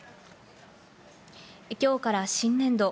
今日から新年度。